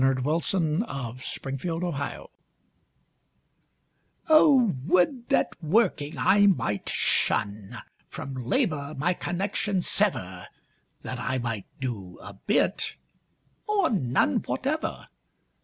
_ ODE TO WORK IN SPRINGTIME Oh, would that working I might shun, From labour my connection sever, That I might do a bit or none Whatever!